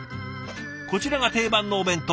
こちらが定番のお弁当。